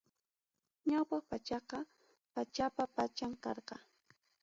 Ñawpaq pachaqa, pachapa pacham karqa.